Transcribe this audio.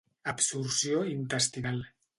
Absorció intestinal.